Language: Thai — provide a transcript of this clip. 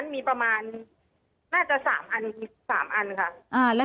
มี๓อันค่ะ